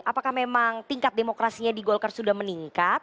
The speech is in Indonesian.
apakah memang tingkat demokrasinya di golkar sudah meningkat